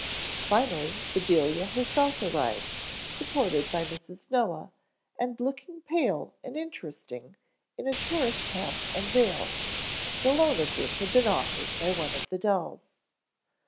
Finally Bedelia herself arrived, supported by Mrs. Noah and looking pale and interesting in a tourist hat and veil, the loan of which had been offered by one of the dolls.